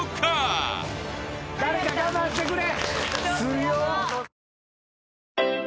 誰か我慢してくれ。